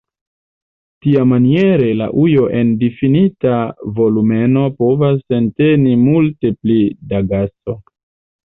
Tiamaniere la ujo en difinita volumeno povas enteni multe pli da gaso.